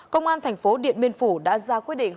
công an thành phố điện biên phủ đã ra quyết định